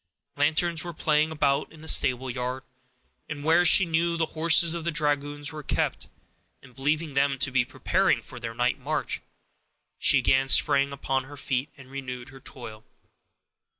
Lanterns were playing about in the stable yard, where she knew the horses of the dragoons were kept, and believing them to be preparing for their night march, she again sprang upon her feet, and renewed her toil.